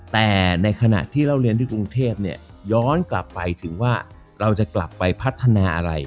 แต่ในขณะที่เราเรียนที่กรุงเทพเนี่ยย้อนกลับไปถึงว่าเราจะกลับไปพัฒนาอะไร